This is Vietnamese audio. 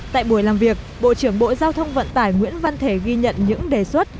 tại buổi làm việc bộ trưởng bộ giao thông vận tải nguyễn văn thể ghi nhận những đề xuất